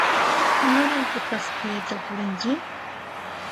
Imaraykutaq khuyayta purinki?